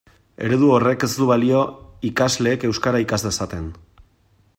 Eredu horrek ez du balio ikasleek euskara ikas dezaten.